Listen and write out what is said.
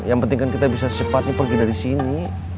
yang penting kan kita bisa cepatnya pergi dari sini